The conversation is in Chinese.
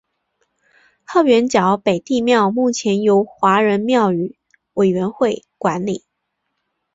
鹤园角北帝庙目前由华人庙宇委员会管理。